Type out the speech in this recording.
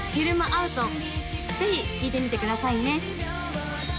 ぜひ聴いてみてくださいね